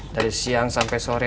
dari siang sampai sore